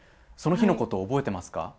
その日のことを覚えてますか？